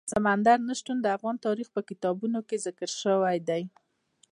سمندر نه شتون د افغان تاریخ په کتابونو کې ذکر شوی دي.